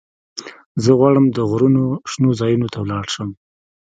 زه غواړم د غرونو شنو ځايونو ته ولاړ شم.